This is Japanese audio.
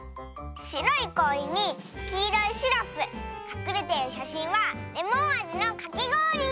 しろいこおりにきいろいシロップかくれてるしゃしんはレモンあじのかきごおり！